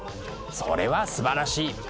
それはすばらしい！